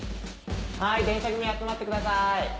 はい電車組集まってください！